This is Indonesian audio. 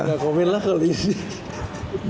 gak komen lah kalau di sini